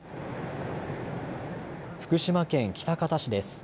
福島県喜多方市です。